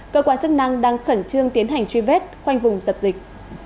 cơ quan chức năng đang khẩn trương tiến hành truy vết khoanh vùng dập dịch